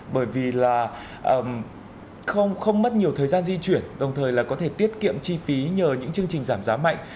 bởi vì là không mất nhiều thời gian di chuyển đồng thời là có thể tiết kiệm chi phí nhờ những chương trình giảm giá mạnh